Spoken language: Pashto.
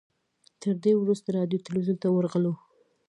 تر دې وروسته راډیو تلویزیون ته ورغلو.